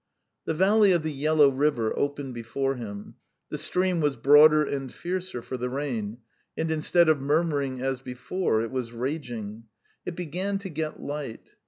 The valley of the Yellow River opened before him. The stream was broader and fiercer for the rain, and instead of murmuring as before, it was raging. It began to get light.